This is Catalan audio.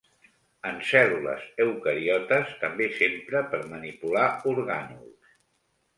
En cèl·lules eucariotes també s'empra per manipular orgànuls.